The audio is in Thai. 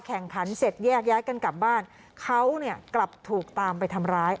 แข่งขันเสร็จแยกย้ายกันกลับบ้านเขาเนี่ยกลับถูกตามไปทำร้าย